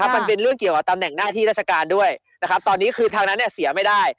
มันเป็นเรื่องเกี่ยวกับตำแหน่งหน้าที่ราชการด้วยนะครับตอนนี้คือทางนั้นเสียไม่ได้